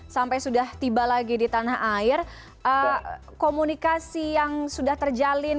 sampai sudah tiba lagi di tanah air komunikasi yang sudah terjalin